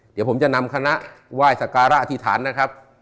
เดี๋ยวผมจะนำคณะไหว้สการะอธิษฐานนะครับ